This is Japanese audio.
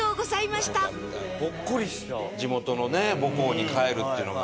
地元のね母校に帰るっていうのが。